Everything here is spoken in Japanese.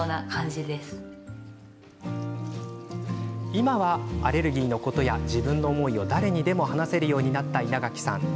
今は、アレルギーのことや自分の思いを誰にでも話せるようになった稲垣さん。